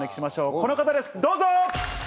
この方ですどうぞ！